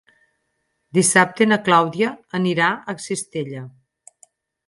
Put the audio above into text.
Dissabte na Clàudia anirà a Cistella.